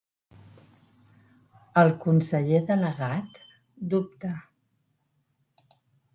El conseller delegat dubta.